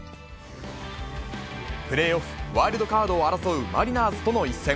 プレーオフ、ワールドカードを争うマリナーズとの一戦。